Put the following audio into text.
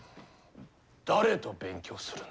誰と勉強するんだ？